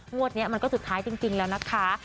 งวดนี้มันก็สุดท้ายจริงแล้วนะคะ